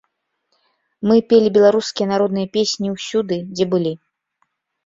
Мы пелі беларускія народныя песні ўсюды, дзе былі.